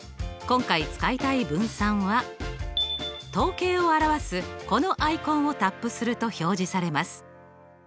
今回使いたい分散は統計を表すこのアイコンをタップすると表示されます。